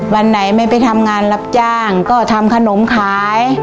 วันไหนไม่ไปทำงานรับจ้างก็ทำขนมขาย